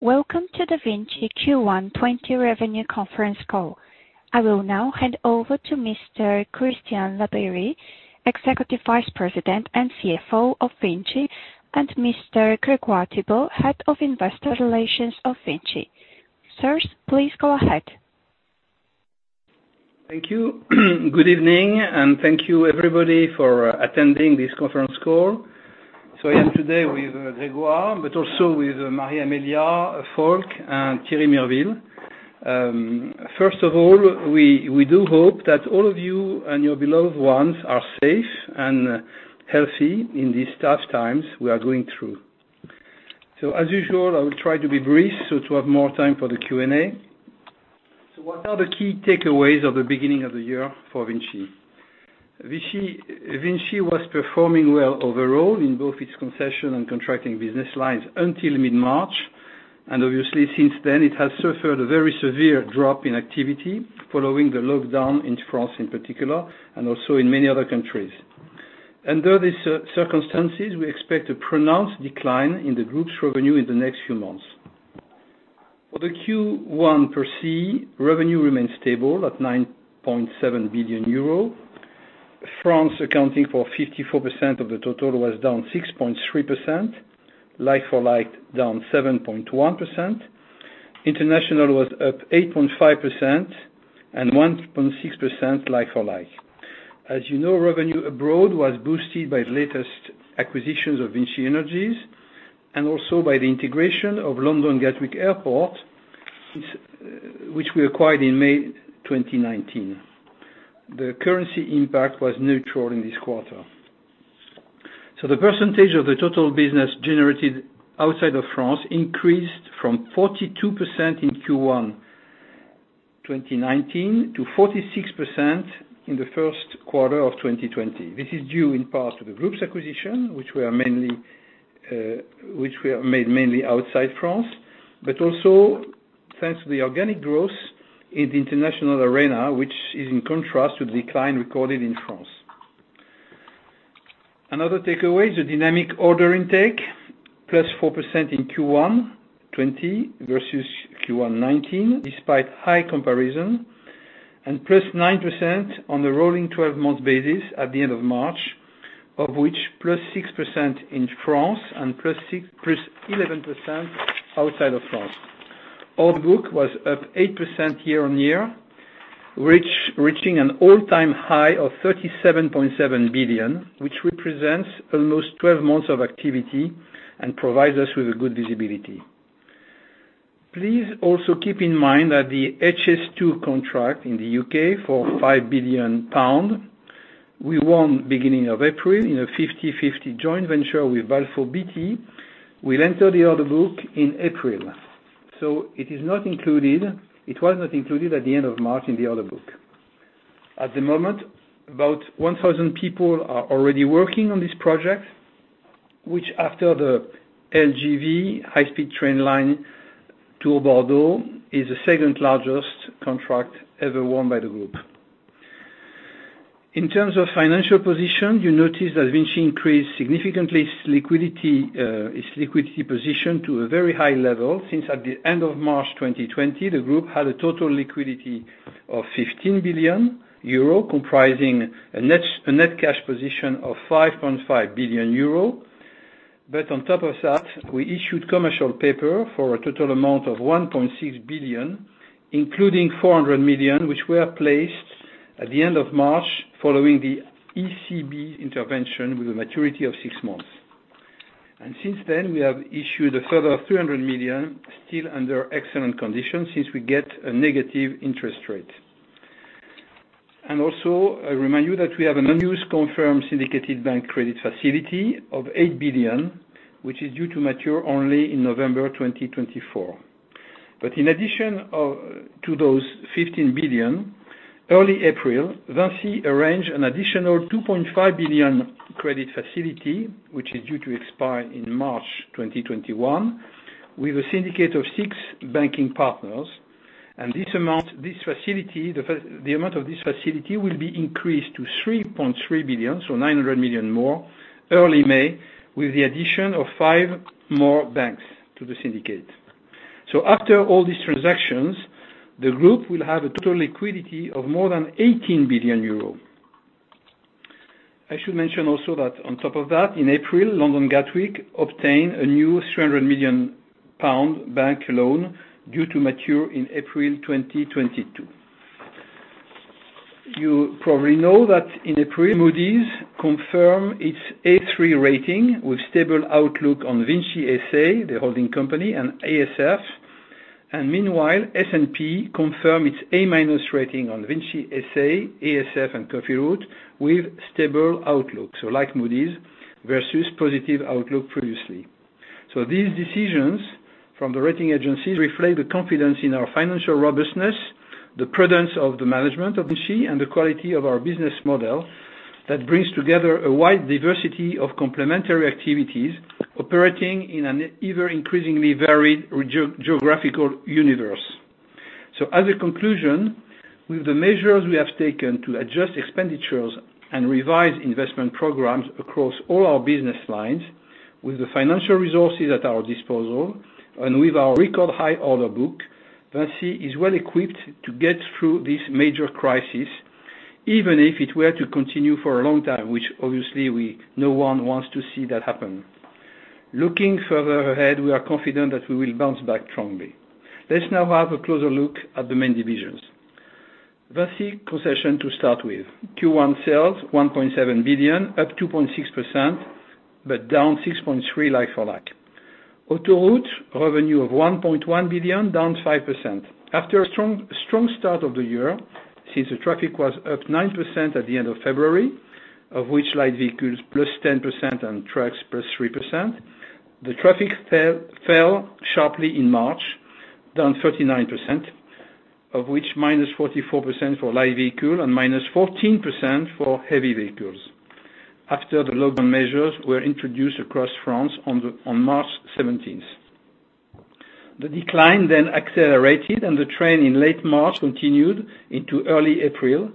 Welcome to the Vinci Q1 2020 Revenue Conference Call. I will now hand over to Mr. Christian Labeyrie, Executive Vice President and CFO of Vinci, and Mr. Grégoire Thibault, Head of Investor Relations of Vinci. Sirs, please go ahead. Thank you. Good evening, and thank you everybody for attending this conference call. I am today with Grégoire, but also with [Marie-Amélia Folch] and Thierry Mirville. First of all, we do hope that all of you and your beloved ones are safe and healthy in these tough times we are going through. As usual, I will try to be brief so to have more time for the Q&A. What are the key takeaways of the beginning of the year for Vinci? Vinci was performing well overall in both its concession and contracting business lines until mid-March. Obviously since then, it has suffered a very severe drop in activity following the lockdown in France in particular, and also in many other countries. Under these circumstances, we expect a pronounced decline in the group's revenue in the next few months. For the Q1 per se, revenue remains stable at 9.7 billion euros. France accounting for 54% of the total was down 6.3%, like for like, down 7.1%. International was up 8.5% and 1.6% like for like. As you know, revenue abroad was boosted by latest acquisitions of Vinci Energies, and also by the integration of London Gatwick Airport, which we acquired in May 2019. The currency impact was neutral in this quarter. The percentage of the total business generated outside of France increased from 42% in Q1 2019 to 46% in the first quarter of 2020. This is due in part to the group's acquisition, which were made mainly outside France, also thanks to the organic growth in the international arena, which is in contrast to the decline recorded in France. Another takeaway is the dynamic order intake, +4% in Q1 2020 versus Q1 2019, despite high comparison, and +9% on the rolling 12 months basis at the end of March, of which +6% in France and +11% outside of France. Order book was up 8% year-on-year, reaching an all-time high of 37.7 billion, which represents almost 12 months of activity and provides us with a good visibility. Please also keep in mind that the HS2 contract in the U.K. for 5 billion pounds, we won beginning of April in a 50/50 joint venture with Balfour Beatty, will enter the order book in April. It was not included at the end of March in the order book. At the moment, about 1,000 people are already working on this project, which after the LGV high speed train line to Bordeaux, is the second largest contract ever won by the group. In terms of financial position, you notice that Vinci increased significantly its liquidity position to a very high level since at the end of March 2020, the group had a total liquidity of 15 billion euro, comprising a net cash position of 5.5 billion euro. On top of that, we issued commercial paper for a total amount of 1.6 billion, including 400 million, which were placed at the end of March following the ECB intervention with a maturity of six months. Since then, we have issued a further 300 million, still under excellent conditions since we get a negative interest rate. Also, I remind you that we have an unused confirmed syndicated bank credit facility of 8 billion, which is due to mature only in November 2024. In addition to those 15 billion, early April, Vinci arranged an additional 2.5 billion credit facility, which is due to expire in March 2021, with a syndicate of six banking partners. The amount of this facility will be increased to 3.3 billion, so 900 million more early May with the addition of five more banks to the syndicate. After all these transactions, the group will have a total liquidity of more than 18 billion euro. I should mention also that on top of that, in April, London Gatwick obtained a new 300 million pound bank loan due to mature in April 2022. You probably know that in April, Moody's confirmed its A3 rating with stable outlook on VINCI S.A., the holding company, and ASF. Meanwhile, S&P confirmed its A- rating on VINCI S.A., ASF and Cofiroute with stable outlook. Like Moody's versus positive outlook previously. These decisions from the rating agencies reflect the confidence in our financial robustness, the prudence of the management of VINCI, and the quality of our business model that brings together a wide diversity of complementary activities operating in an ever increasingly varied geographical universe. As a conclusion, with the measures we have taken to adjust expenditures and revise investment programs across all our business lines, with the financial resources at our disposal, and with our record high order book, Vinci is well-equipped to get through this major crisis, even if it were to continue for a long time, which obviously no one wants to see that happen. Looking further ahead, we are confident that we will bounce back strongly. Let's now have a closer look at the main divisions. Vinci Concessions to start with. Q1 sales, 1.7 billion, up 2.6%, but down 6.3% like-for-like. Autoroutes, revenue of 1.1 billion, down 5%. After a strong start of the year, since the traffic was up 9% at the end of February, of which light vehicles plus 10% and trucks +3%, the traffic fell sharply in March, down 39%, of which -44% for light vehicle and -14% for heavy vehicles, after the lockdown measures were introduced across France on March 17th. The decline accelerated, the trend in late March continued into early April.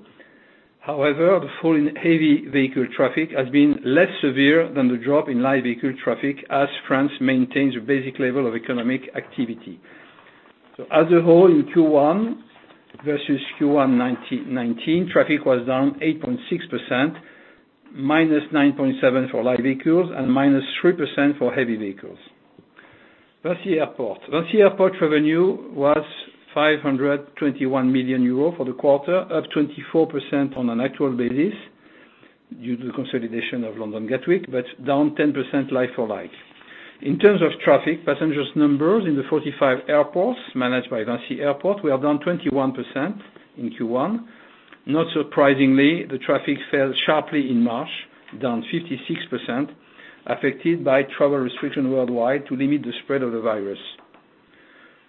However, the fall in heavy vehicle traffic has been less severe than the drop in light vehicle traffic, as France maintains a basic level of economic activity. As a whole, in Q1 versus Q1 2019, traffic was down 8.6%, -9.7% for light vehicles and -3% for heavy vehicles. VINCI Airports. VINCI Airports revenue was 521 million euros for the quarter, up 24% on an actual basis due to the consolidation of London Gatwick, down 10% like-for-like. In terms of traffic, passenger numbers in the 45 airports managed by VINCI Airports were down 21% in Q1. Not surprisingly, the traffic fell sharply in March, down 56%, affected by travel restrictions worldwide to limit the spread of the virus.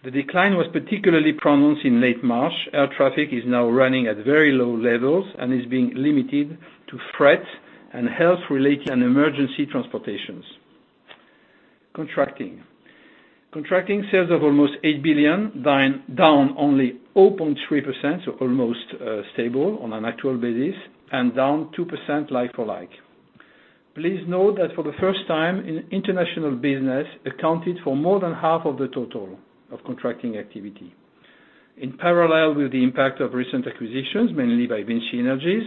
The decline was particularly pronounced in late March. Air traffic is now running at very low levels and is being limited to freight and health-related and emergency transport. Contracting sales of almost 8 billion, down only 0.3%, almost stable on an actual basis, and down 2% like-for-like. Please note that for the first time, international business accounted for more than half of the total of contracting activity. In parallel with the impact of recent acquisitions, mainly by Vinci Energies,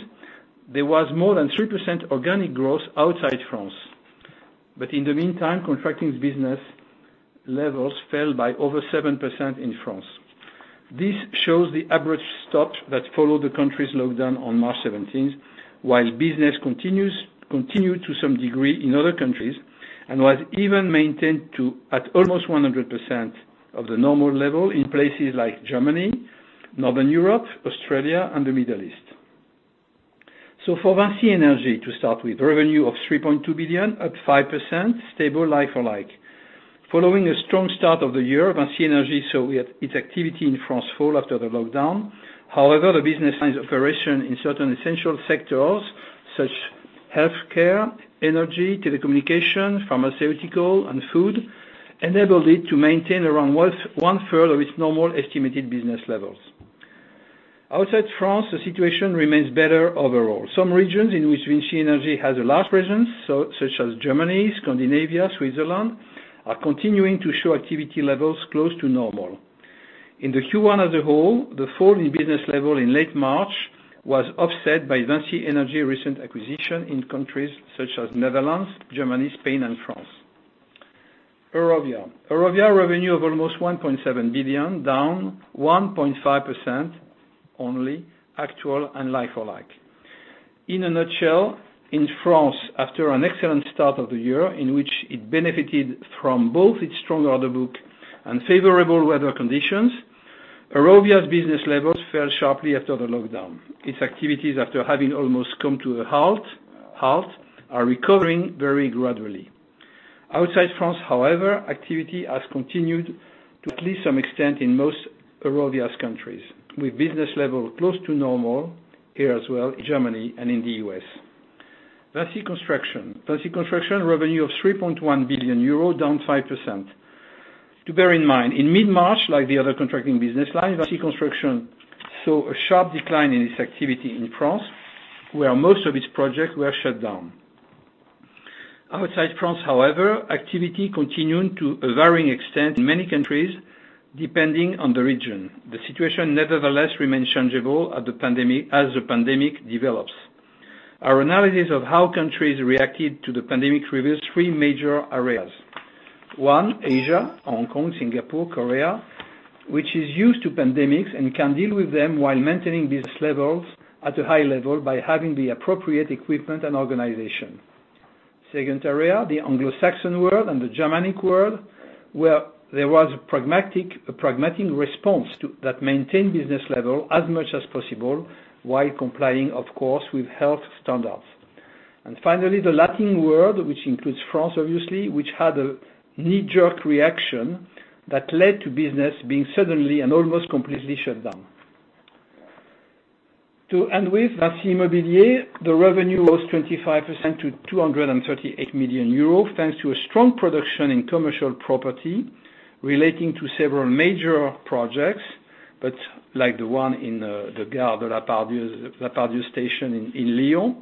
there was more than 3% organic growth outside France. In the meantime, contracting business levels fell by over 7% in France. This shows the abrupt stop that followed the country's lockdown on March 17th, while business continued to some degree in other countries and was even maintained to at almost 100% of the normal level in places like Germany, Northern Europe, Australia, and the Middle East. For Vinci Energies, to start with, revenue of 3.2 billion, up 5%, stable like-for-like. Following a strong start of the year, Vinci Energies saw its activity in France fall after the lockdown. However, the business line's operation in certain essential sectors such as healthcare, energy, telecommunication, pharmaceutical, and food, enabled it to maintain around one third of its normal estimated business levels. Outside France, the situation remains better overall. Some regions in which VINCI Energies has a large presence, such as Germany, Scandinavia, Switzerland, are continuing to show activity levels close to normal. In the Q1 as a whole, the fall in business level in late March was offset by VINCI Energies recent acquisition in countries such as Netherlands, Germany, Spain, and France. Eurovia. Eurovia revenue of almost 1.7 billion, down 1.5% only, actual and like-for-like. In a nutshell, in France, after an excellent start of the year, in which it benefited from both its strong order book and favorable weather conditions, Eurovia's business levels fell sharply after the lockdown. Its activities, after having almost come to a halt, are recovering very gradually. Outside France, however, activity has continued to at least some extent in most Eurovia countries, with business level close to normal here as well in Germany and in the U.S. VINCI Construction. VINCI Construction revenue of 3.1 billion euro, down 5%. To bear in mind, in mid-March, like the other contracting business line, VINCI Construction saw a sharp decline in its activity in France, where most of its projects were shut down. Outside France, activity continued to a varying extent in many countries, depending on the region. The situation remains changeable as the pandemic develops. Our analysis of how countries reacted to the pandemic reveals three major areas. One, Asia, Hong Kong, Singapore, Korea, which is used to pandemics and can deal with them while maintaining business levels at a high level by having the appropriate equipment and organization. Second area, the Anglo-Saxon world and the Germanic world, where there was a pragmatic response that maintained business level as much as possible while complying, of course, with health standards. Finally, the Latin world, which includes France, obviously, which had a knee-jerk reaction that led to business being suddenly and almost completely shut down. To end with, VINCI Immobilier, the revenue was 25% to 238 million euros, thanks to a strong production in commercial property relating to several major projects, like the one in the Gare de la Part-Dieu station in Lyon.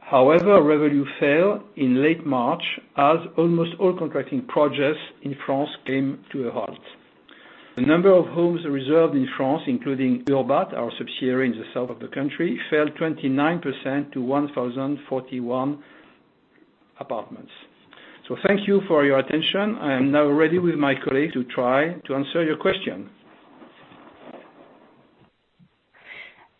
However, revenue fell in late March as almost all contracting projects in France came to a halt. The number of homes reserved in France, including Urbat, our subsidiary in the south of the country, fell 29% to 1,041 apartments. Thank you for your attention. I am now ready with my colleagues to try to answer your questions.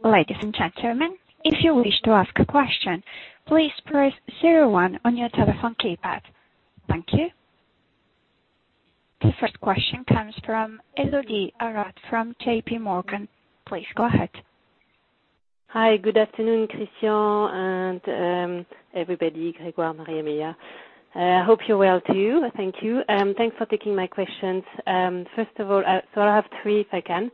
Ladies and gentlemen, if you wish to ask a question, please press 01 on your telephone keypad. Thank you. The first question comes from Elodie Rall from JPMorgan. Please go ahead. Hi. Good afternoon, Christian and everybody, Grégoire, [Maria, Mia]. Hope you're well too. Thank you. Thanks for taking my questions. First of all, I have three if I can.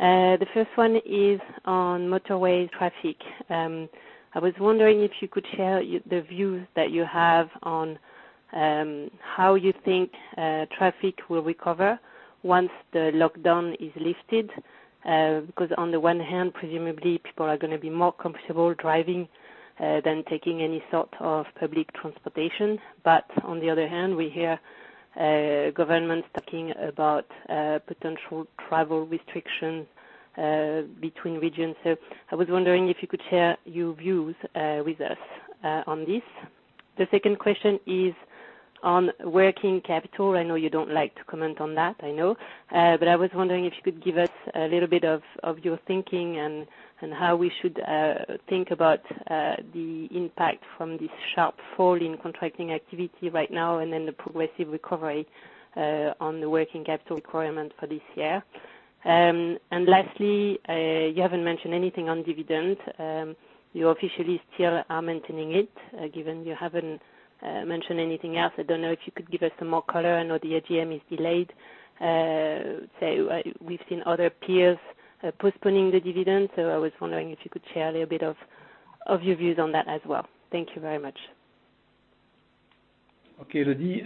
The first one is on motorway traffic. I was wondering if you could share the views that you have on how you think traffic will recover once the lockdown is lifted. On the one hand, presumably people are going to be more comfortable driving, than taking any sort of public transportation. On the other hand, we hear governments talking about potential travel restrictions, between regions. I was wondering if you could share your views with us on this. The second question is on working capital. I know you don't like to comment on that, I know. I was wondering if you could give us a little bit of your thinking and how we should think about the impact from this sharp fall in contracting activity right now, and then the progressive recovery on the working capital requirement for this year. Lastly, you haven't mentioned anything on dividend. You officially still are maintaining it. Given you haven't mentioned anything else, I don't know if you could give us some more color. I know the AGM is delayed. We've seen other peers postponing the dividend. I was wondering if you could share a little bit of your views on that as well. Thank you very much. Okay, Elodie.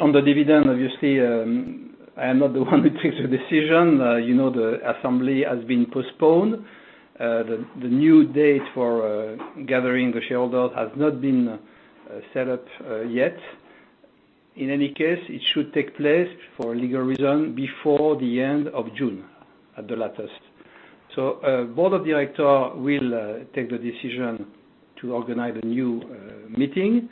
On the dividend, obviously, I am not the one who takes the decision. The assembly has been postponed. The new date for gathering the shareholders has not been set up yet. In any case, it should take place for legal reason before the end of June at the latest. Board of Directors will take the decision to organize a new meeting.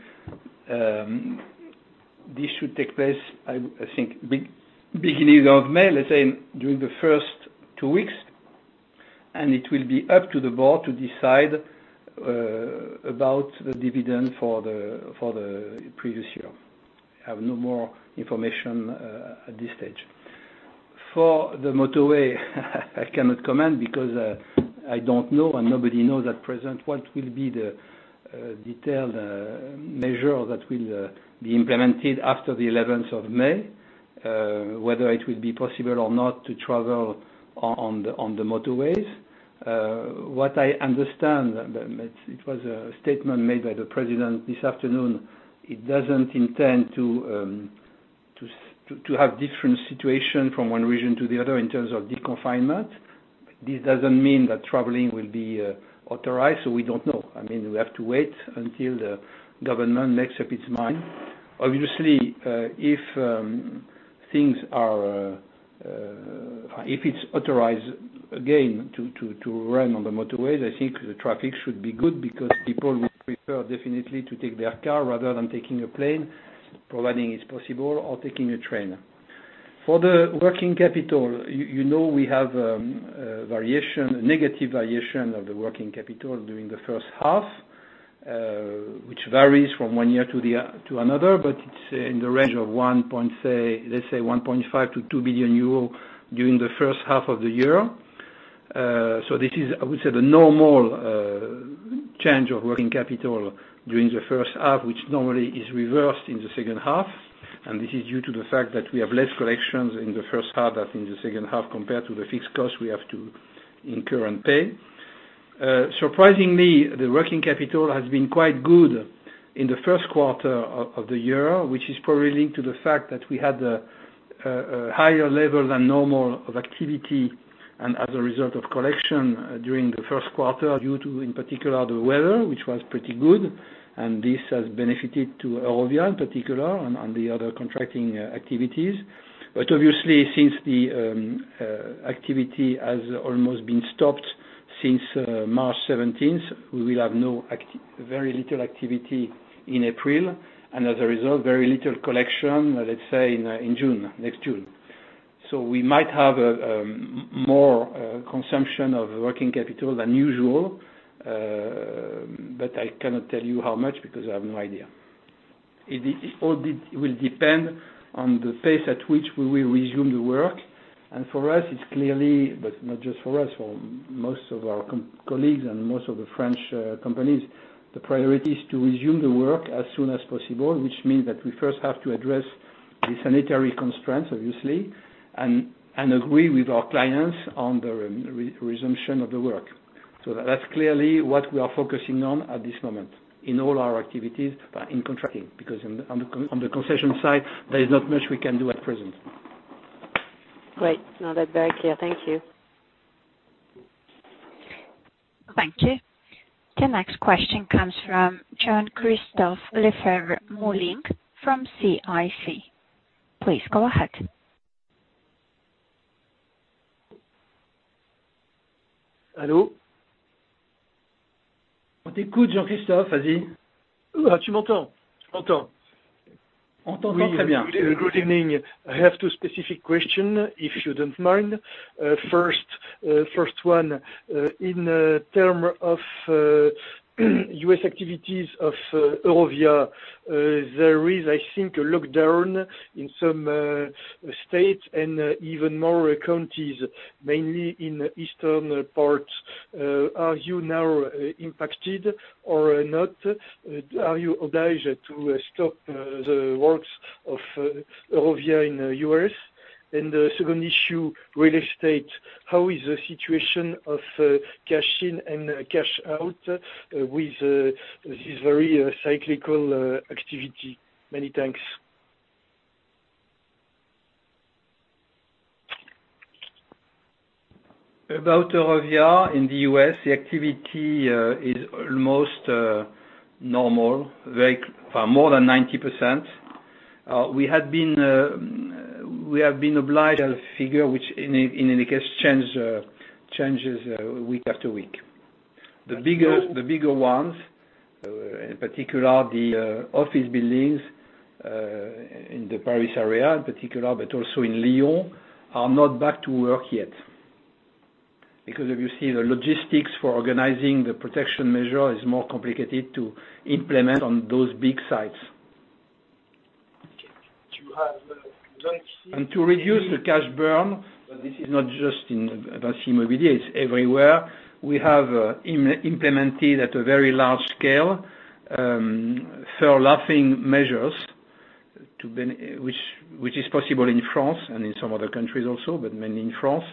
This should take place, I think, beginning of May, let's say during the first two weeks, and it will be up to the Board to decide about the dividend for the previous year. I have no more information at this stage. For the motorway, I cannot comment because I don't know, and nobody knows at present what will be the detailed measure that will be implemented after the 11th of May, whether it will be possible or not to travel on the motorways. What I understand, it was a statement made by the president this afternoon, it doesn't intend to have different situation from one region to the other in terms of deconfinement. This doesn't mean that traveling will be authorized. We don't know. We have to wait until the government makes up its mind. Obviously, if it's authorized again to run on the motorways, I think the traffic should be good because people would prefer definitely to take their car rather than taking a plane, providing it's possible or taking a train. For the working capital, you know we have a negative variation of the working capital during the first half, which varies from one year to another, but it's in the range of, let's say, 1.5-2 billion euro during the first half of the year. This is, I would say, the normal change of working capital during the first half, which normally is reversed in the second half. This is due to the fact that we have less collections in the first half as in the second half compared to the fixed cost we have to incur and pay. Surprisingly, the working capital has been quite good in the first quarter of the year, which is probably linked to the fact that we had a higher level than normal of activity and as a result of collection during the first quarter due to, in particular, the weather, which was pretty good. This has benefited to Eurovia in particular and the other contracting activities. Obviously, since the activity has almost been stopped since March 17th, we will have very little activity in April, and as a result, very little collection, let's say in next June. We might have more consumption of working capital than usual, but I cannot tell you how much because I have no idea. All will depend on the pace at which we will resume the work. For us it's clearly, but not just for us, for most of our colleagues and most of the French companies, the priority is to resume the work as soon as possible, which means that we first have to address the sanitary constraints, obviously, and agree with our clients on the resumption of the work. That's clearly what we are focusing on at this moment in all our activities in contracting, because on the concession side, there is not much we can do at present. Great. No, that's very clear. Thank you. Thank you. The next question comes from [Jean-Christophe Lefer-Moulin] from CIC. Please go ahead. Hello? Jean-Christophe. Good evening. I have two specific questions, if you don't mind. First one, in terms of U.S. activities of Eurovia, there is, I think, a lockdown in some states and even more counties, mainly in the eastern parts. Are you now impacted or not? Are you obliged to stop the works of Eurovia in U.S.? The second issue, real estate. How is the situation of cash in and cash out with this very cyclical activity? Many thanks. About Eurovia in the U.S., the activity is almost normal. More than 90%. We have been obliged a figure which in any case changes week after week. The bigger ones, in particular the office buildings in the Paris area in particular, but also in Lyon, are not back to work yet. If you see the logistics for organizing the protection measure is more complicated to implement on those big sites. Okay. To reduce the cash burn, but this is not just in [Vinci Mobilité], it's everywhere, we have implemented at a very large scale furloughing measures, which is possible in France and in some other countries also, but mainly in France.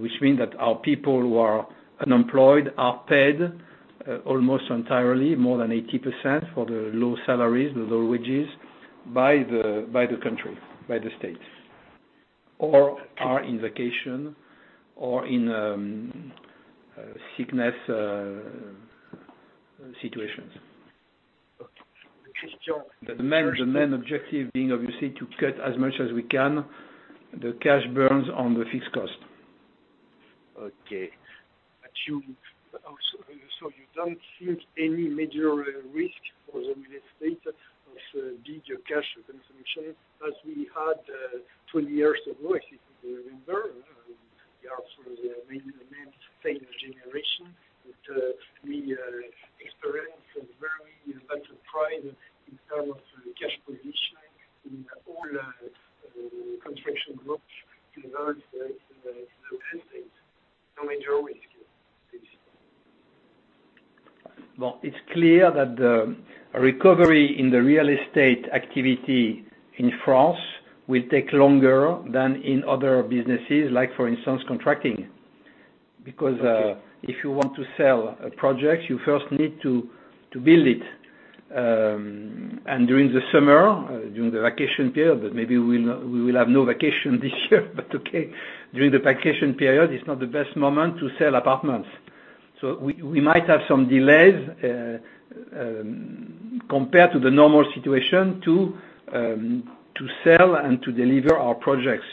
Which mean that our people who are unemployed are paid almost entirely, more than 80% for the low salaries, the low wages, by the country, by the states, or are in vacation or in sickness situations. Okay. This is Jean. The main objective being obviously to cut as much as we can the cash burns on the fixed cost. Okay. You don't see any major risk for the real estate of, did your cash consumption, as we had 20 years ago, if you remember. We are sort of the main failed generation with the experience of very enterprise in term of cash position in all construction groups in those real estates. No major risk? Please. It's clear that the recovery in the real estate activity in France will take longer than in other businesses like, for instance, contracting. Okay if you want to sell a project, you first need to build it. During the summer, during the vacation period, but maybe we will have no vacation this year but okay. During the vacation period, it's not the best moment to sell apartments. We might have some delays compared to the normal situation to sell and to deliver our projects.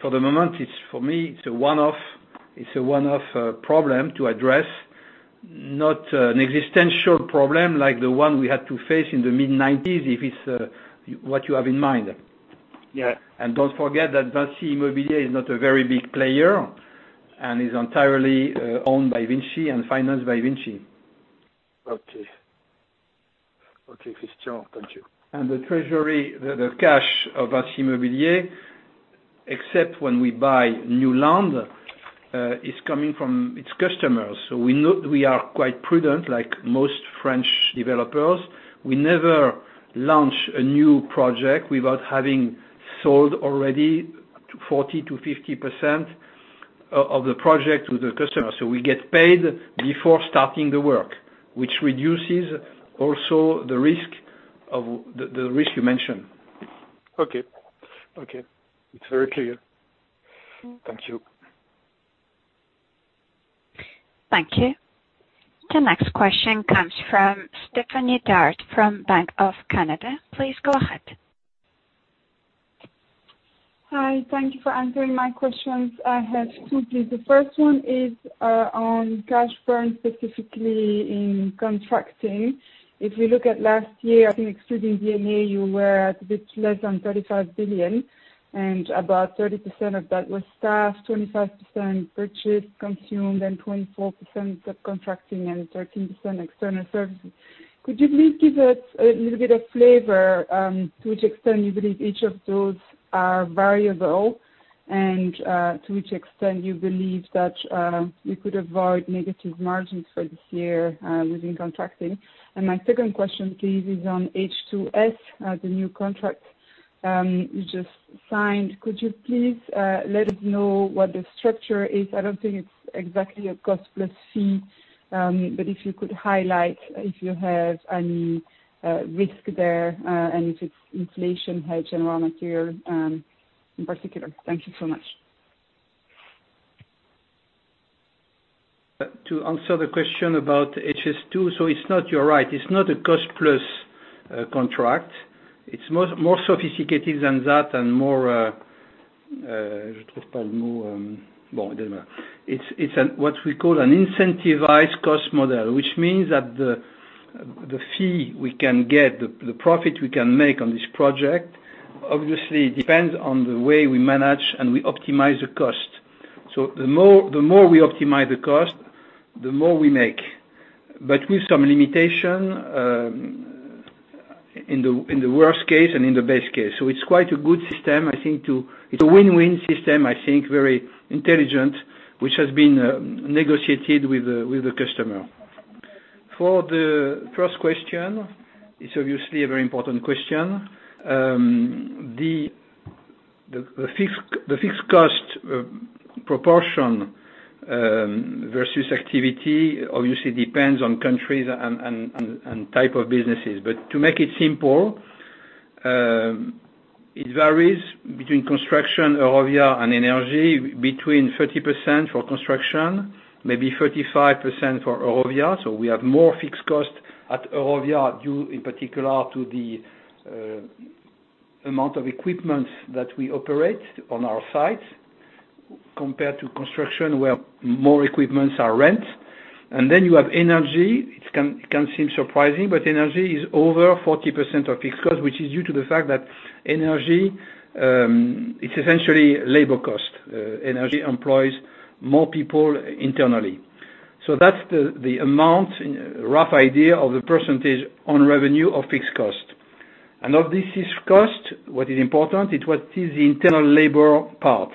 For the moment, for me, it's a one-off problem to address, not an existential problem like the one we had to face in the mid-'90s, if it's what you have in mind. Yeah. Don't forget that VINCI Mobilité is not a very big player and is entirely owned by Vinci and financed by Vinci. Okay. Okay, this is Jean. Thank you. The treasury, the cash of VINCI Immobilier, except when we buy new land, is coming from its customers. We are quite prudent, like most French developers. We never launch a new project without having sold already 40%-50% of the project to the customer. We get paid before starting the work, which reduces also the risk you mentioned. Okay. It's very clear. Thank you. Thank you. The next question comes from [Stephanie Dart from Bank of Canada]. Please go ahead. Hi. Thank you for answering my questions. I have two, please. The first one is on cash burn, specifically in contracting. If we look at last year, I think excluding D&A, you were at a bit less than 35 billion and about 30% of that was staff, 25% purchase consumed, 24% subcontracting, and 13% external services. Could you please give us a little bit of flavor to which extent you believe each of those are variable, and to which extent you believe that you could avoid negative margins for this year within contracting? My second question, please, is on HS2, the new contract you just signed. Could you please let us know what the structure is? I don't think it's exactly a cost plus fee, but if you could highlight if you have any risk there, and if it's inflation hedge and raw material in particular. Thank you so much. To answer the question about HS2. You're right, it's not a cost-plus contract. It's more sophisticated than that and more, I don't have the word. It's what we call an incentivised cost model, which means that the fee we can get, the profit we can make on this project, obviously depends on the way we manage and we optimize the cost. The more we optimize the cost, the more we make, but with some limitation, in the worst case and in the best case. It's quite a good system. It's a win-win system, I think, very intelligent, which has been negotiated with the customer. For the first question, it's obviously a very important question. The fixed cost proportion, versus activity obviously depends on countries and type of businesses. To make it simple, it varies between construction, Eurovia, and energy, between 30% for construction, maybe 35% for Eurovia. We have more fixed cost at Eurovia due, in particular, to the amount of equipment that we operate on our site compared to construction, where more equipment are rent. You have energy. It can seem surprising, but energy is over 40% of fixed cost, which is due to the fact that energy, it's essentially labor cost. Energy employs more people internally. That's the amount, rough idea of the percentage on revenue of fixed cost. Of this fixed cost, what is important is what is the internal labor part.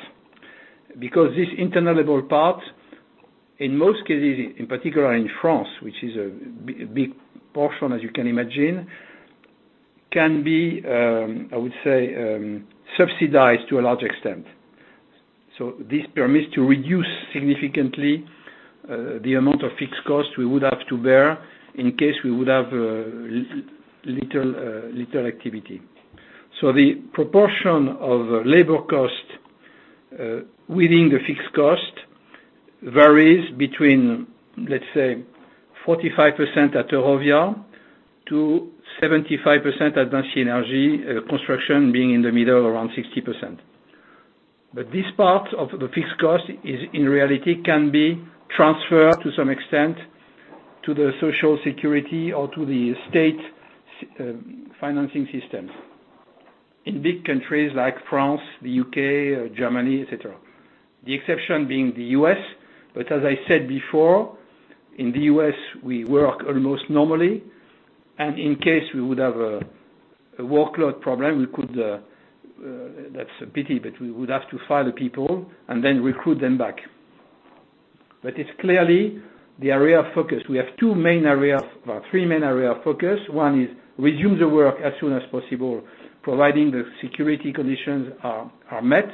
This internal labor part, in most cases, in particular in France, which is a big portion, as you can imagine, can be, I would say, subsidized to a large extent. This permits to reduce significantly the amount of fixed cost we would have to bear in case we would have little activity. The proportion of labor cost within the fixed cost varies between, let's say, 45% at Eurovia to 75% at VINCI Energies, construction being in the middle, around 60%. This part of the fixed cost, in reality, can be transferred to some extent to the Social Security or to the state financing systems in big countries like France, the U.K., Germany, et cetera. The exception being the U.S., as I said before, in the U.S., we work almost normally, and in case we would have a workload problem, that's a pity, we would have to fire the people and then recruit them back. It's clearly the area of focus. We have three main area of focus. One is resume the work as soon as possible, providing the security conditions are met.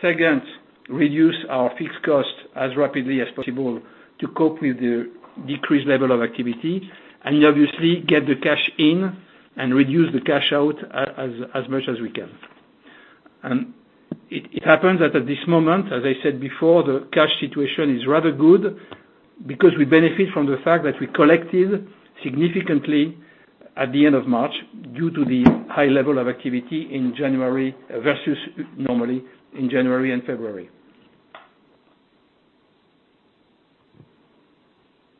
Second, reduce our fixed cost as rapidly as possible to cope with the decreased level of activity, and obviously, get the cash in and reduce the cash out as much as we can. It happens that at this moment, as I said before, the cash situation is rather good because we benefit from the fact that we collected significantly at the end of March due to the high level of activity versus normally in January and February.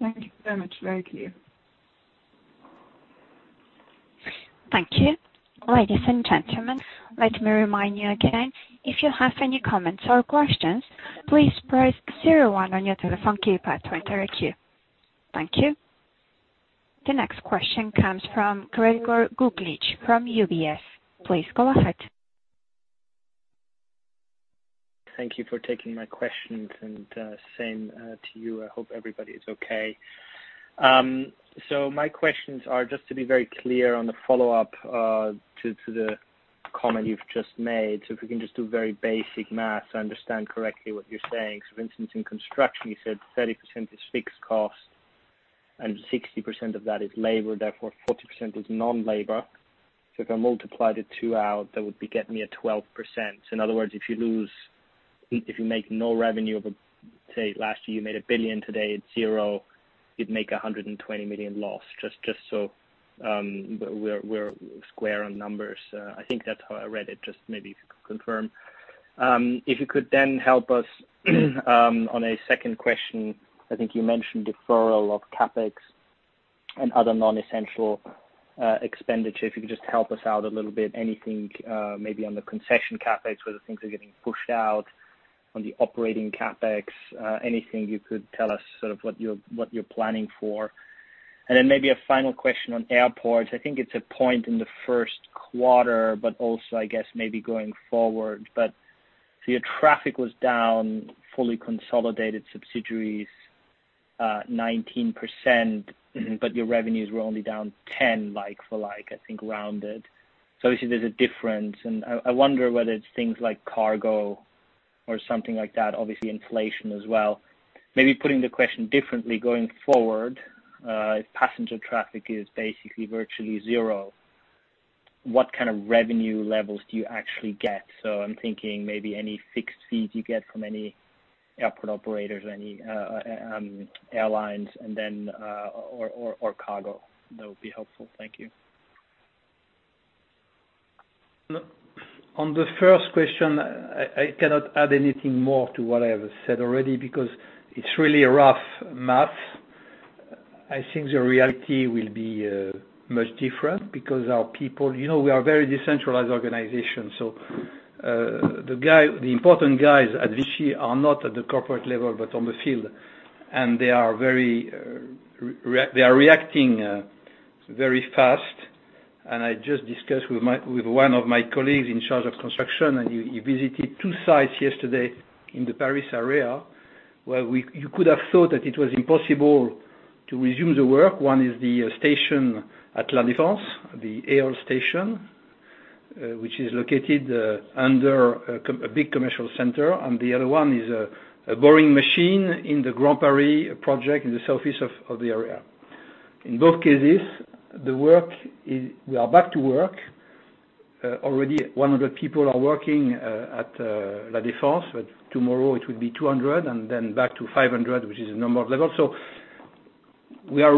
Thank you very much. Very clear. Thank you. Ladies and gentlemen, let me remind you again, if you have any comments or questions, please press zero one on your telephone keypad to enter a queue. Thank you. The next question comes from Gregor Kuglitsch from UBS. Please go ahead. Thank you for taking my questions, and same to you. I hope everybody is okay. My questions are just to be very clear on the follow-up to the comment you've just made. If we can just do very basic math to understand correctly what you're saying. For instance, in construction, you said 30% is fixed cost and 60% of that is labor, therefore 40% is non-labor. If I multiply the two out, that would be getting me a 12%. In other words, if you make no revenue of, say, last year you made 1 billion, today it's zero, you'd make 120 million loss. Just so we're square on numbers. I think that's how I read it, just maybe confirm. If you could then help us on a second question. I think you mentioned deferral of CapEx and other non-essential expenditure. If you could just help us out a little bit, anything maybe on the concession CapEx, whether things are getting pushed out on the operating CapEx, anything you could tell us, sort of what you're planning for. Then maybe a final question on airports. I think it's a point in the first quarter, but also I guess maybe going forward. Your traffic was down, fully consolidated subsidiaries 19%, but your revenues were only down 10, like for like, I think rounded. Obviously there's a difference, and I wonder whether it's things like cargo or something like that. Obviously, inflation as well. Maybe putting the question differently going forward, if passenger traffic is basically virtually zero, what kind of revenue levels do you actually get? I'm thinking maybe any fixed fees you get from any airport operators or any airlines, or cargo. That would be helpful. Thank you. On the first question, I cannot add anything more to what I have said already because it's really a rough math. I think the reality will be much different because we are a very decentralized organization. The important guys at Vinci are not at the corporate level, but on the field. They are reacting very fast. I just discussed with one of my colleagues in charge of construction, and he visited two sites yesterday in the Paris area, where you could have thought that it was impossible to resume the work. One is the station at La Defense, the Eole station, which is located under a big commercial center. The other one is a boring machine in the Grand Paris project in the surface of the area. In both cases, we are back to work. Already 100 people are working at La Defense, but tomorrow it will be 200, and then back to 500, which is the normal level. They are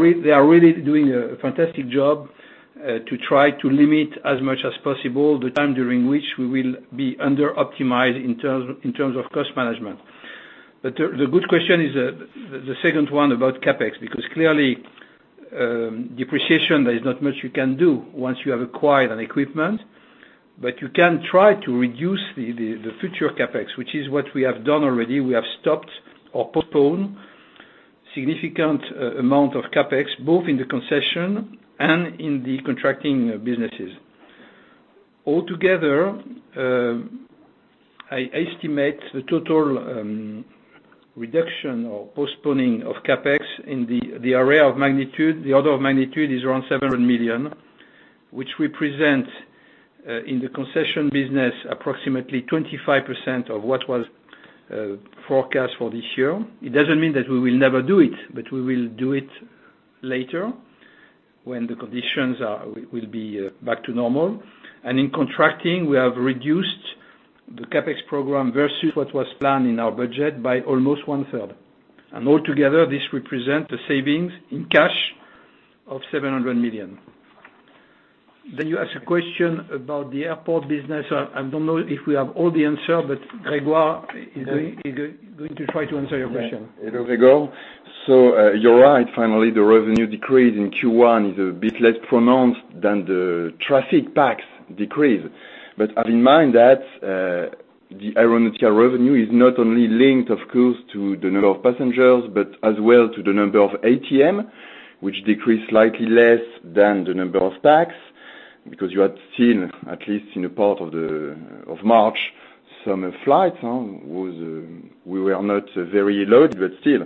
really doing a fantastic job to try to limit as much as possible the time during which we will be under optimized in terms of cost management. The good question is the second one about CapEx, because clearly, depreciation, there is not much you can do once you have acquired an equipment. You can try to reduce the future CapEx, which is what we have done already. We have stopped or postponed significant amount of CapEx, both in the concession and in the contracting businesses. Altogether, I estimate the total reduction or postponing of CapEx in the order of magnitude is around 700 million, which represent, in the concession business, approximately 25% of what was forecast for this year. It doesn't mean that we will never do it, but we will do it later when the conditions will be back to normal. In contracting, we have reduced the CapEx program versus what was planned in our budget by almost one-third. All together, this represent a savings in cash of 700 million. You asked a question about the airport business. I don't know if we have all the answer, but Grégoire is going to try to answer your question. Hello, Grégoire. You're right, finally, the revenue decrease in Q1 is a bit less pronounced than the traffic pax decrease. Have in mind that the aeronautical revenue is not only linked, of course, to the number of passengers, but as well to the number of ATM, which decreased slightly less than the number of pax, because you had seen, at least in a part of March, some flights. We were not very loaded, but still.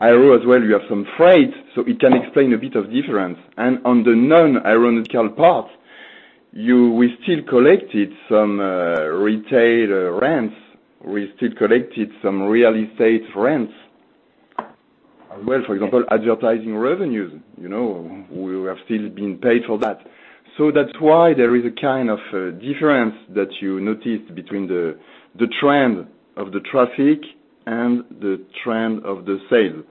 Aero as well, you have some freight, it can explain a bit of difference. On the non-aeronautical part, we still collected some retail rents. We still collected some real estate rents as well. For example, advertising revenues, we have still been paid for that. That's why there is a kind of difference that you noticed between the trend of the traffic and the trend of the sale.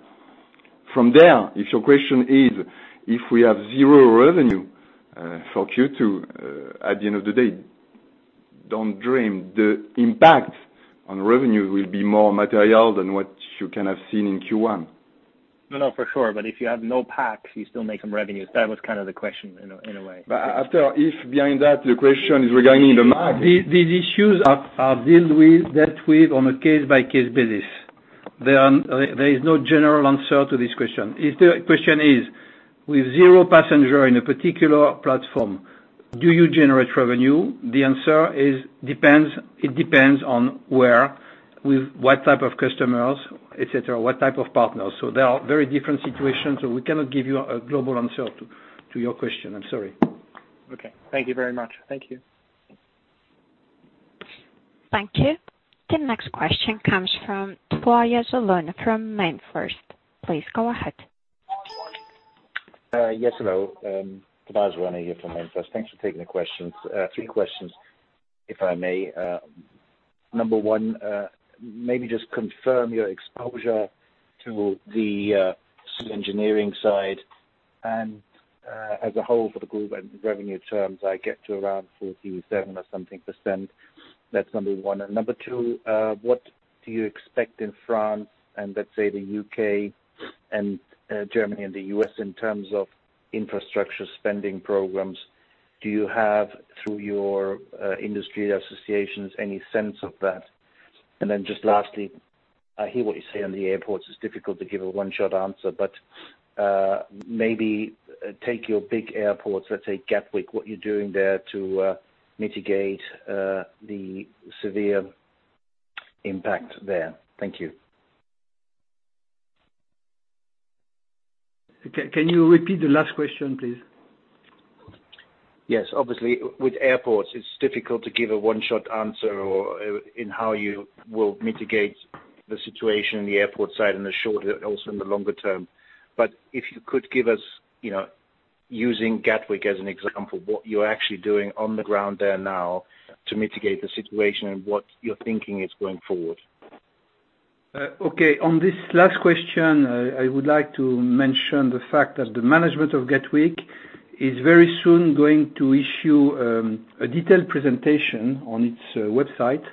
From there, if your question is if we have zero revenue for Q2, at the end of the day, don't dream. The impact on revenue will be more material than what you can have seen in Q1. No, for sure. If you have no pax, you still make some revenues. That was kind of the question in a way. After if, behind that, the question is regarding the. These issues are dealt with on a case-by-case basis. There is no general answer to this question. If the question is, with zero passenger in a particular platform, do you generate revenue? The answer is, it depends on where, with what type of customers, et cetera, what type of partners. They are very different situations, so we cannot give you a global answer to your question. I'm sorry. Okay. Thank you very much. Thank you. Thank you. The next question comes from [Tobias Ronne from MainFirst]. Please go ahead. Yes, hello. [Tobias Ronne] here from MainFirst]. Thanks for taking the questions. Three questions, if I may. Number 1, maybe just confirm your exposure to the civil engineering side and as a whole for the group and revenue terms, I get to around 47% or something. That's number 1. Number 2, what do you expect in France and let's say the U.K. and Germany and the U.S. in terms of infrastructure spending programs? Do you have, through your industry associations, any sense of that? Lastly, I hear what you say on the airports, it's difficult to give a one-shot answer, but maybe take your big airports, let's say Gatwick, what you're doing there to mitigate the severe impact there. Thank you. Can you repeat the last question, please? Yes. Obviously, with airports, it's difficult to give a one-shot answer in how you will mitigate the situation on the airport side in the short, also in the longer term. If you could give us, using Gatwick as an example, what you're actually doing on the ground there now to mitigate the situation and what your thinking is going forward. Okay. On this last question, I would like to mention the fact that the management of Gatwick is very soon going to issue a detailed presentation on its website,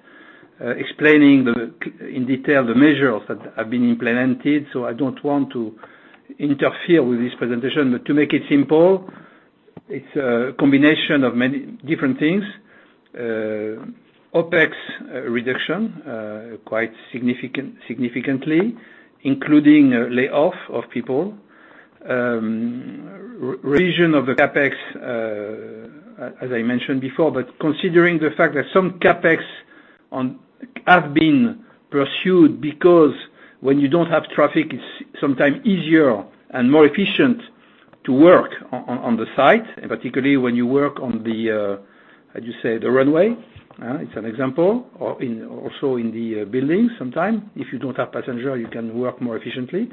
explaining in detail the measures that have been implemented. I don't want to interfere with this presentation. To make it simple, it's a combination of many different things. OpEx reduction, quite significantly, including layoff of people. Revision of the CapEx, as I mentioned before. Considering the fact that some CapEx have been pursued because when you don't have traffic, it's sometimes easier and more efficient to work on the site, and particularly when you work on the, how you say, the runway. It's an example. Also in the building sometimes. If you don't have passengers, you can work more efficiently.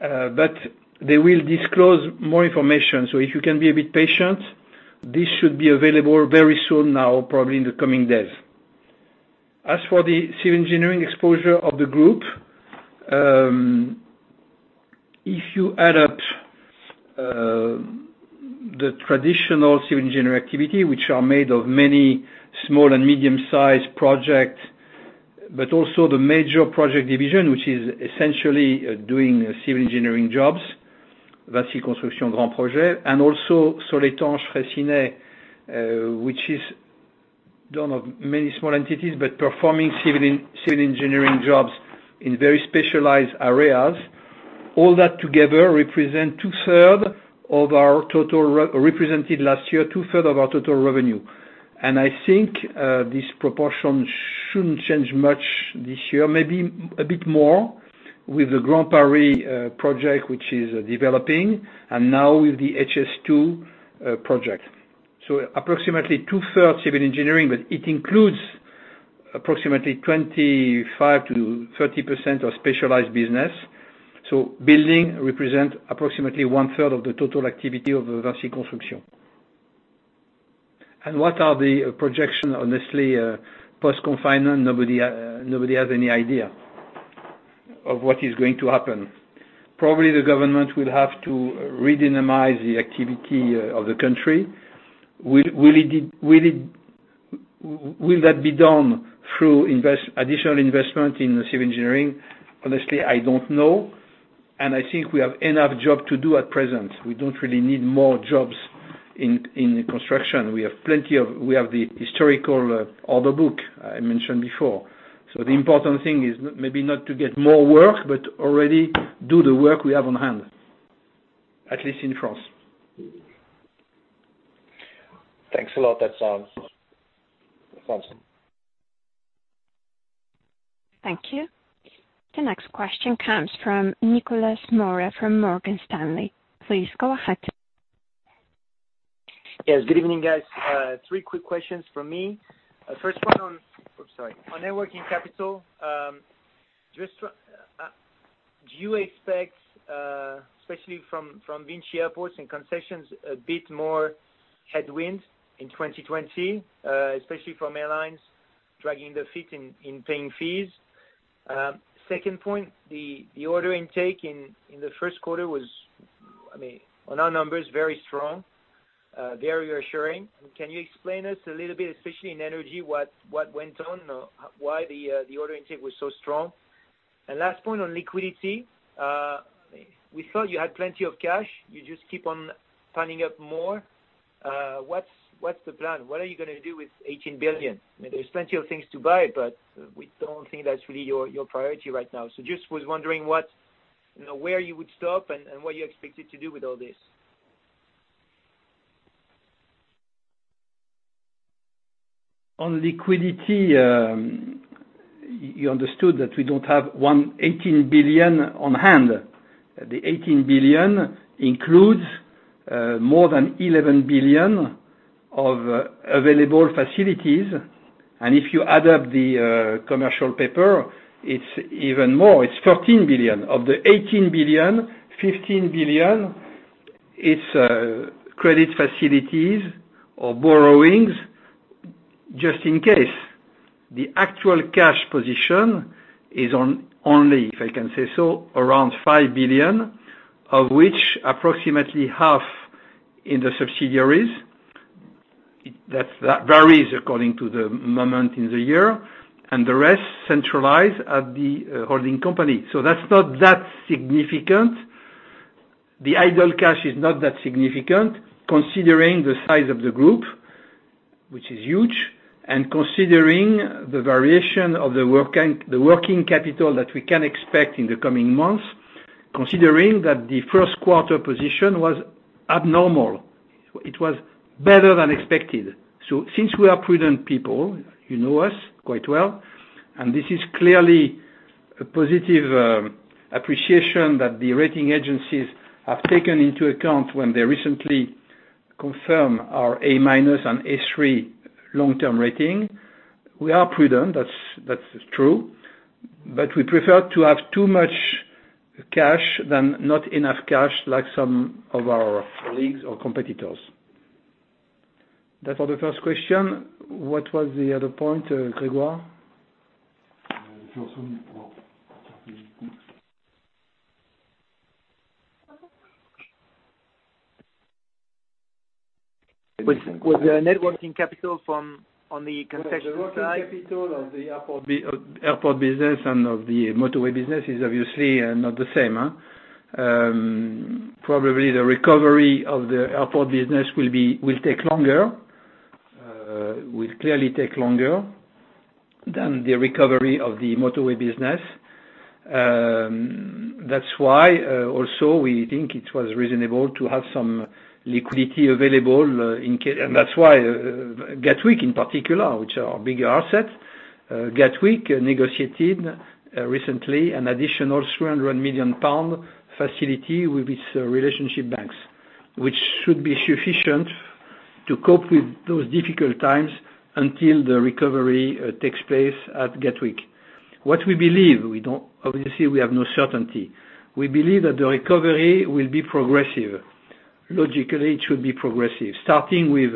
They will disclose more information. If you can be a bit patient, this should be available very soon now, probably in the coming days. As for the civil engineering exposure of the group, if you add up the traditional civil engineering activity, which are made of many small and medium-size project, but also the major project division, which is essentially doing civil engineering jobs, VINCI Construction Grands Projets, and also Soletanche Bachy, which is made of many small entities, but performing civil engineering jobs in very specialized areas. All that together represented last year two-third of our total revenue. I think this proportion shouldn't change much this year, maybe a bit more with the Grand Paris project, which is developing, and now with the HS2 project. Approximately two-thirds civil engineering, but it includes approximately 25%-30% of specialized business. Building represent approximately one-third of the total activity of the Vinci Construction. What are the projection? Honestly, post-confinement, nobody has any idea of what is going to happen. Probably the government will have to re-dynamize the activity of the country. Will that be done through additional investment in civil engineering? Honestly, I don't know. I think we have enough job to do at present. We don't really need more jobs in construction. We have the historical order book I mentioned before. The important thing is maybe not to get more work, but already do the work we have on hand, at least in France. Thanks a lot. That sounds awesome. Thank you. The next question comes from Nicolas Mora from Morgan Stanley. Please go ahead. Yes. Good evening, guys. Three quick questions from me. First one. On networking capital, do you expect, especially from VINCI Airports and Concessions, a bit more headwind in 2020, especially from airlines dragging their feet in paying fees? Second point, the order intake in the first quarter was, on our numbers, very strong, very reassuring. Can you explain us a little bit, especially in energy, what went on or why the order intake was so strong? Last point on liquidity. We thought you had plenty of cash. You just keep on signing up more. What's the plan? What are you gonna do with 18 billion? There's plenty of things to buy, but we don't think that's really your priority right now. Just was wondering where you would stop and what you expected to do with all this. On liquidity, you understood that we don't have 18 billion on hand. The 18 billion includes more than 11 billion of available facilities. If you add up the commercial paper, it's even more, it's 14 billion. Of the 18 billion, 15 billion, it's credit facilities or borrowings, just in case. The actual cash position is only, if I can say so, around 5 billion, of which approximately half in the subsidiaries. That varies according to the moment in the year. The rest centralize at the holding company. That's not that significant. The idle cash is not that significant considering the size of the group, which is huge, and considering the variation of the working capital that we can expect in the coming months, considering that the first quarter position was abnormal. It was better than expected. Since we are prudent people, you know us quite well, and this is clearly a positive appreciation that the rating agencies have taken into account when they recently confirm our A- and A3 long-term rating. We are prudent, that's true, but we prefer to have too much cash than not enough cash like some of our colleagues or competitors. That's for the first question. What was the other point, Grégoire? The working capital of the airport business and of the motorway business is obviously not the same. Probably the recovery of the airport business will take longer, will clearly take longer than the recovery of the motorway business. That's why, also, we think it was reasonable to have some liquidity available and that's why Gatwick, in particular, which are our bigger assets, Gatwick negotiated recently an additional 300 million pound facility with its relationship banks, which should be sufficient to cope with those difficult times until the recovery takes place at Gatwick. What we believe, obviously, we have no certainty. We believe that the recovery will be progressive. Logically, it should be progressive, starting with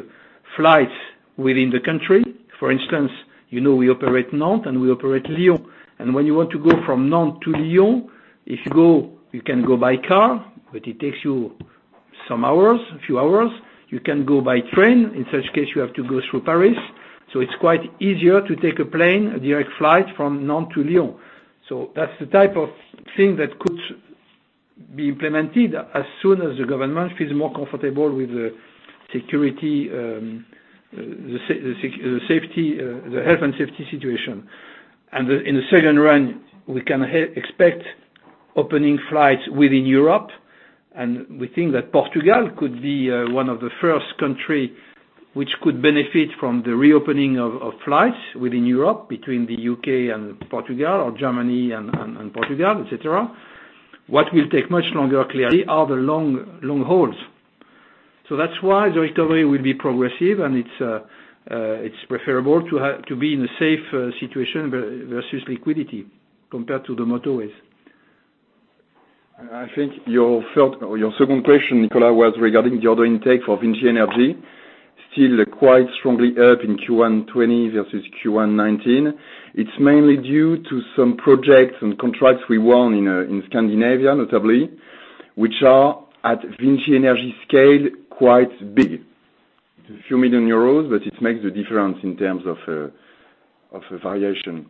flights within the country. For instance, you know we operate Nantes and we operate Lyon. When you want to go from Nantes to Lyon, you can go by car, but it takes you some hours, a few hours. You can go by train. In such case, you have to go through Paris, it's quite easier to take a plane, a direct flight from Nantes to Lyon. That's the type of thing that could be implemented as soon as the government feels more comfortable with the security, the health, and safety situation. In the second run, we can expect opening flights within Europe, and we think that Portugal could be one of the first country which could benefit from the reopening of flights within Europe between the U.K. and Portugal or Germany and Portugal, et cetera. What will take much longer, clearly, are the long hauls. That's why the recovery will be progressive and it's preferable to be in a safe situation versus liquidity compared to the motorway. I think your second question, Nicolas, was regarding the order intake for VINCI Energies, still quite strongly up in Q1 2020 versus Q1 2019. It's mainly due to some projects and contracts we won in Scandinavia, notably, which are at VINCI Energies scale, quite big. A few million EUR, it makes the difference in terms of a variation.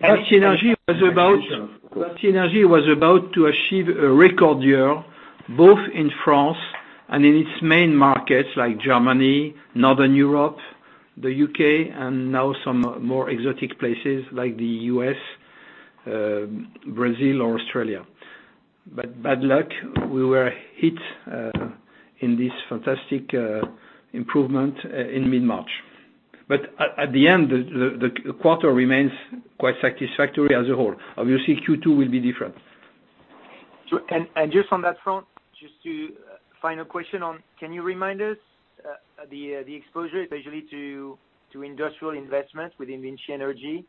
VINCI Energies was about to achieve a record year, both in France and in its main markets like Germany, Northern Europe, the U.K., and now some more exotic places like the U.S., Brazil or Australia. Bad luck, we were hit in this fantastic improvement in mid-March. At the end, the quarter remains quite satisfactory as a whole. Obviously, Q2 will be different. Just on that front, Final question on, can you remind us the exposure, especially to industrial investment within VINCI Energies?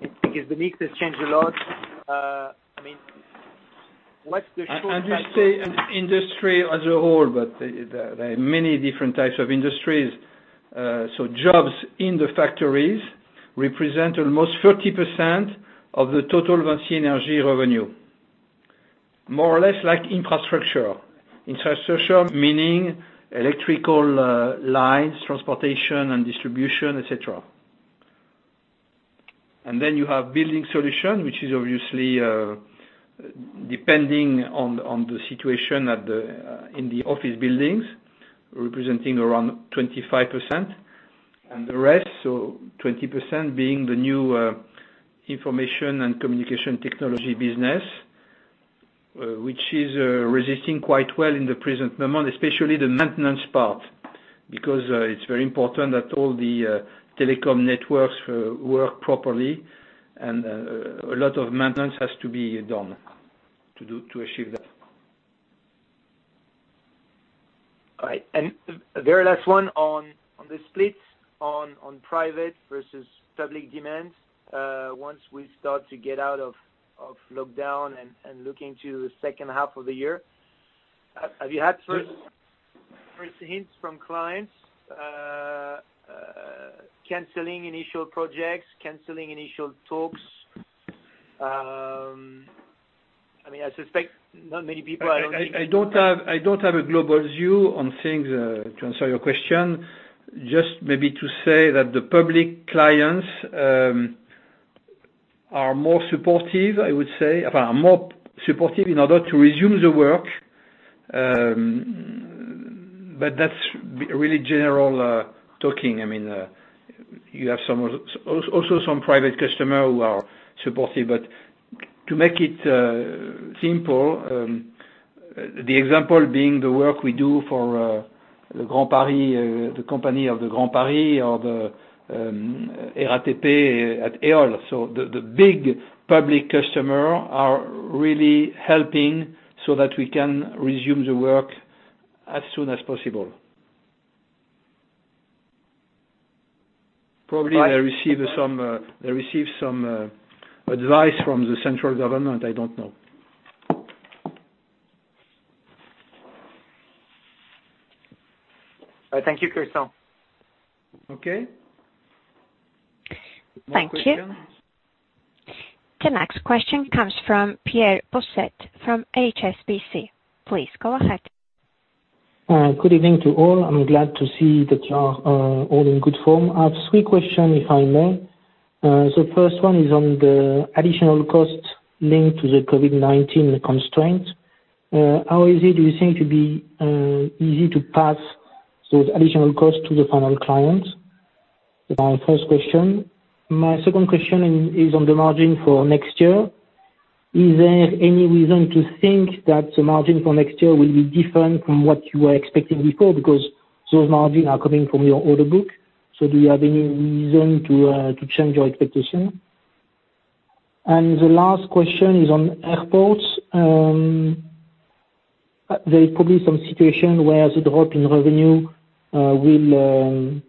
The mix has changed a lot. What's the short cycle? I just say industry as a whole, there are many different types of industries. Jobs in the factories represent almost 30% of the total VINCI Energies revenue, more or less like infrastructure. Infrastructure, meaning electrical lines, transportation and distribution, etc. You have building solution, which is obviously depending on the situation in the office buildings, representing around 25%. The rest, so 20% being the new information and communication technology business, which is resisting quite well in the present moment, especially the maintenance part, because it's very important that all the telecom networks work properly, and a lot of maintenance has to be done to achieve that. All right. The very last one on the splits on private versus public demand, once we start to get out of lockdown and look into the second half of the year, have you had first hints from clients canceling initial projects, canceling initial talks? I suspect not many people are- I don't have a global view on things to answer your question. Just maybe to say that the public clients are more supportive, I would say. More supportive in order to resume the work, but that's really general talking. You have also some private customer who are supportive, but to make it simple, the example being the work we do for the Grand Paris, the company of the Grand Paris, or the [RATP] at Eole. The big public customer are really helping so that we can resume the work as soon as possible. Probably they receive some advice from the central government, I don't know. Thank you, Christian. Okay. Thank you. More questions? The next question comes from Pierre Bosset from HSBC. Please go ahead. Good evening to all. I'm glad to see that you are all in good form. I have three questions, if I may. The first one is on the additional cost linked to the COVID-19 constraint. How easy do you think to be easy to pass those additional costs to the final client? My first question. My second question is on the margin for next year. Is there any reason to think that the margin for next year will be different from what you were expecting before? Those margins are coming from your order book, do you have any reason to change your expectation? The last question is on airports. There's probably some situation where the drop in revenue will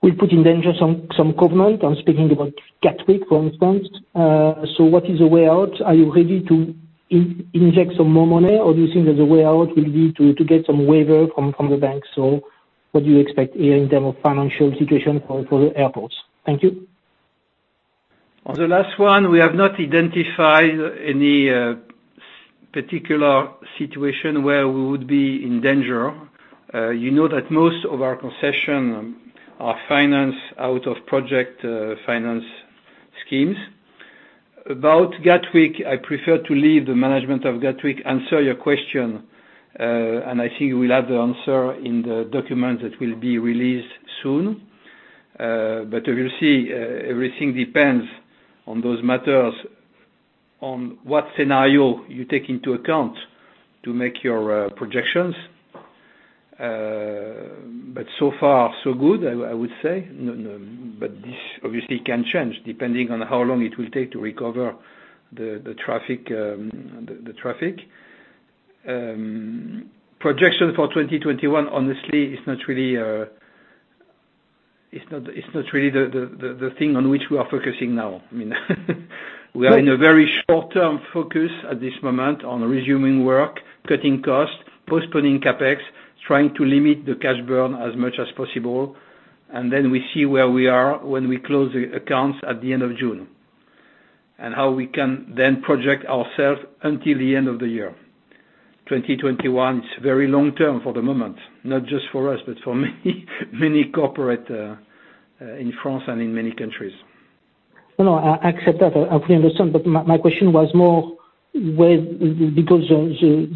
put in danger some covenant. I'm speaking about Gatwick, for instance. What is the way out? Are you ready to inject some more money, or do you think that the way out will be to get some waiver from the bank? What do you expect here in terms of financial situation for the airports? Thank you. On the last one, we have not identified any particular situation where we would be in danger. You know that most of our concession are financed out of project finance schemes. About Gatwick, I prefer to leave the management of Gatwick answer your question, and I think we'll have the answer in the document that will be released soon. You will see everything depends on those matters, on what scenario you take into account to make your projections. So far so good, I would say. This obviously can change depending on how long it will take to recover the traffic. Projection for 2021, honestly, it's not really the thing on which we are focusing now. We are in a very short-term focus at this moment on resuming work, cutting costs, postponing CapEx, trying to limit the cash burn as much as possible, and then we see where we are when we close the accounts at the end of June, and how we can then project ourselves until the end of the year. 2021 is very long-term for the moment, not just for us, but for many corporate in France and in many countries. No, I accept that. I fully understand. My question was more, because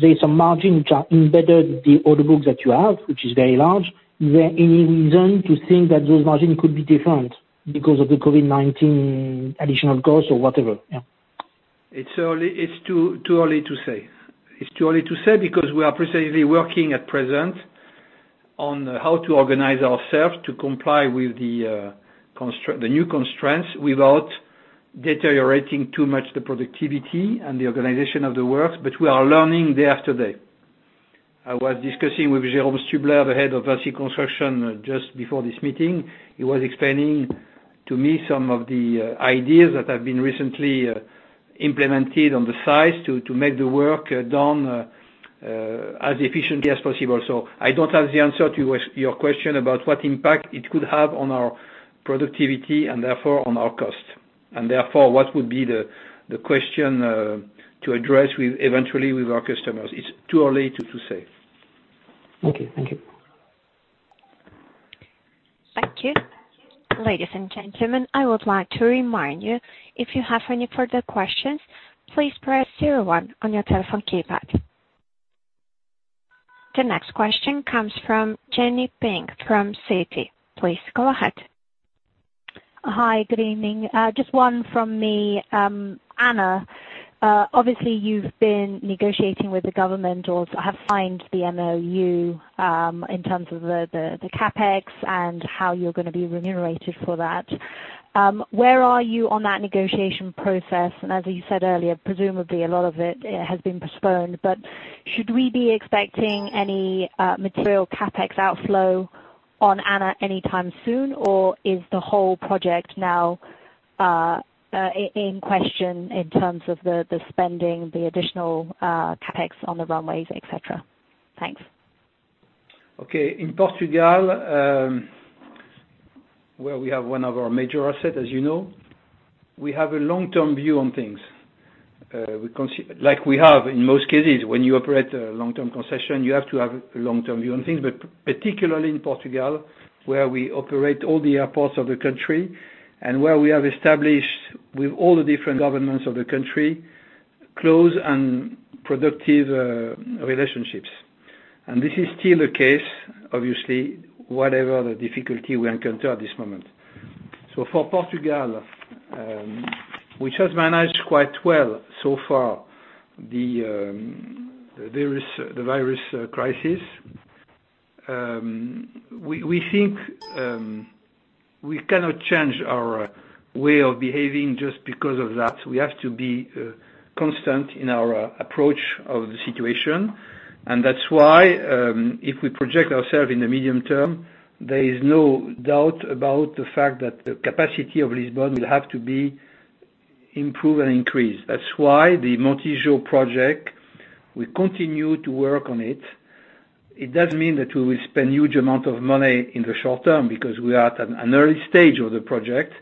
there's some margin which are embedded the order books that you have, which is very large, is there any reason to think that those margin could be different because of the COVID-19 additional cost or whatever? Yeah. It's too early to say. It's too early to say because we are precisely working at present on how to organize ourselves to comply with the new constraints without deteriorating too much the productivity and the organization of the work. We are learning day after day. I was discussing with Jérôme Stubler, the Head of Vinci Construction, just before this meeting. He was explaining to me some of the ideas that have been recently implemented on the site to make the work done as efficiently as possible. I don't have the answer to your question about what impact it could have on our productivity, and therefore on our cost. Therefore, what would be the question to address eventually with our customers. It's too early to say. Okay. Thank you. Thank you. Ladies and gentlemen, I would like to remind you, if you have any further questions, please press zero one on your telephone keypad. The next question comes from Jenny Ping from Citi. Please go ahead. Hi, good evening. Just one from me. ANA, obviously you've been negotiating with the government or have signed the MoU, in terms of the CapEx and how you're going to be remunerated for that. Where are you on that negotiation process? As you said earlier, presumably a lot of it has been postponed, but should we be expecting any material CapEx outflow on ANA anytime soon? Is the whole project now in question in terms of the spending, the additional CapEx on the runways, et cetera? Thanks. Okay. In Portugal, where we have one of our major asset, as you know, we have a long-term view on things. Like we have in most cases, when you operate a long-term concession, you have to have a long-term view on things. Particularly in Portugal, where we operate all the airports of the country, and where we have established with all the different governments of the country, close and productive relationships. This is still the case, obviously, whatever the difficulty we encounter at this moment. For Portugal, which has managed quite well so far the virus crisis, we think we cannot change our way of behaving just because of that. We have to be constant in our approach of the situation. That's why, if we project ourselves in the medium term, there is no doubt about the fact that the capacity of Lisbon will have to be improved and increased. That's why the Montijo project, we continue to work on it. It doesn't mean that we will spend huge amount of money in the short term because we are at an early stage of the project,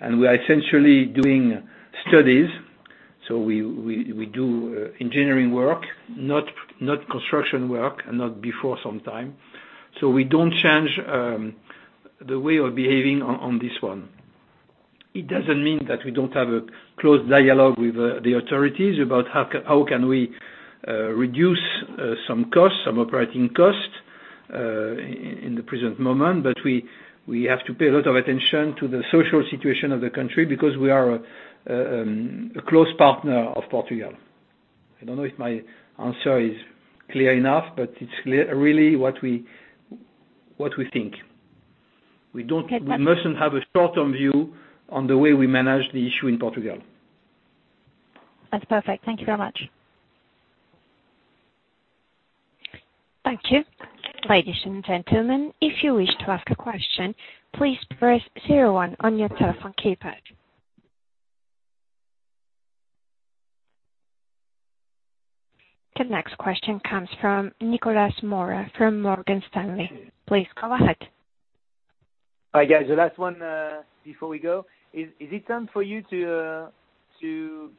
and we are essentially doing studies. We do engineering work, not construction work, and not before some time. We don't change the way of behaving on this one. It doesn't mean that we don't have a close dialogue with the authorities about how can we reduce some operating costs in the present moment. We have to pay a lot of attention to the social situation of the country because we are a close partner of Portugal. I don't know if my answer is clear enough, but it's really what we think. We mustn't have a short-term view on the way we manage the issue in Portugal. That's perfect. Thank you very much. Thank you. Ladies and gentlemen, if you wish to ask a question, please press zero on your telephone keypad. The next question comes from Nicolas Mora from Morgan Stanley. Please go ahead. Hi, guys. The last one before we go. Is it time for you to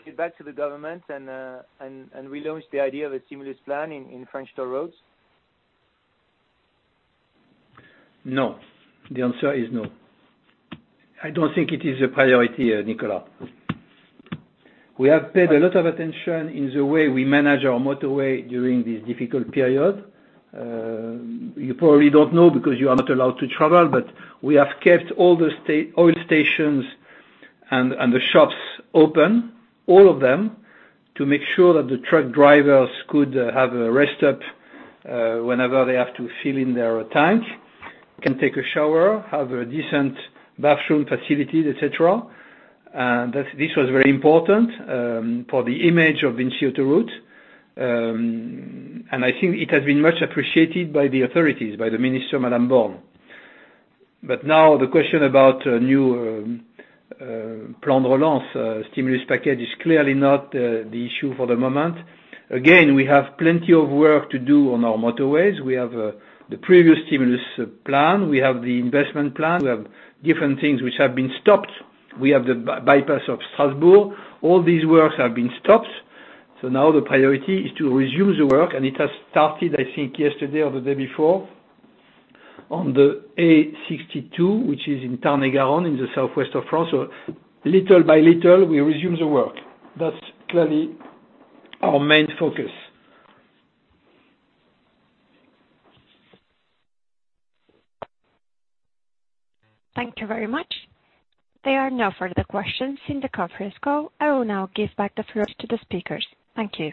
get back to the government and relaunch the idea of a stimulus plan in French toll roads? No. The answer is no. I don't think it is a priority, Nicolas. We have paid a lot of attention in the way we manage our motorway during this difficult period. You probably don't know because you are not allowed to travel, but we have kept all the oil stations and the shops open, all of them, to make sure that the truck drivers could have a rest stop whenever they have to fill in their tank, can take a shower, have a decent bathroom facility, et cetera. This was very important for the image of VINCI Autoroutes, and I think it has been much appreciated by the authorities, by the minister, Madame Borne. Now the question about new plan relance, stimulus package is clearly not the issue for the moment. Again, we have plenty of work to do on our motorways. We have the previous stimulus plan, we have the investment plan. We have different things which have been stopped. We have the bypass of Strasbourg. All these works have been stopped. Now the priority is to resume the work, and it has started, I think yesterday or the day before, on the A62, which is in Tarn-et-Garonne in the southwest of France. Little by little, we resume the work. That's clearly our main focus. Thank you very much. There are no further questions in the conference call. I will now give back the floor to the speakers. Thank you.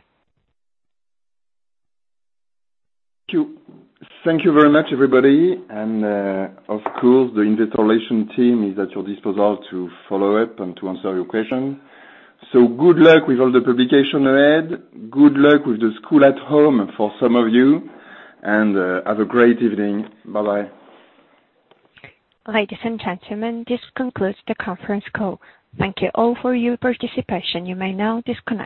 Thank you. Thank you very much, everybody. Of course, the investor relation team is at your disposal to follow up and to answer your question. Good luck with all the publication ahead. Good luck with the school at home for some of you, and have a great evening. Bye-bye. Ladies and gentlemen, this concludes the conference call. Thank you all for your participation. You may now disconnect.